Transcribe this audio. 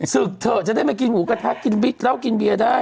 ศึกเถอะจะได้มากินหมูกระทะกินบิ๊กเล่ากินเบียร์ได้